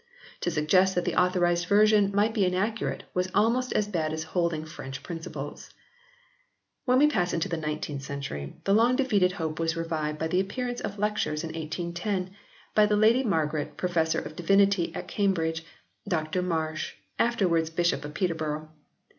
To suggest that the Authorised Version might be inaccurate, was almost as bad as holding French Principles/ " When we pass into the 19th century the long defeated hope was revived by the appearance of Lectures in 1810 by the Lady Margaret Professor of Divinity at Cambridge, Dr Marsh, afterwards Bishop of Peterborough.